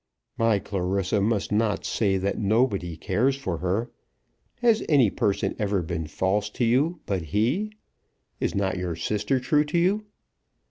"My Clarissa must not say that nobody cares for her. Has any person ever been false to you but he? Is not your sister true to you?"